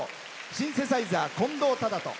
シンセサイザー、近藤斉人。